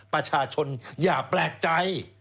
ประชาชนอย่าแปลกใจ